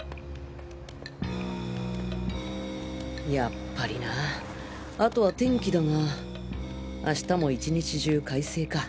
やっぱりなあとは天気だが明日も１日中快晴か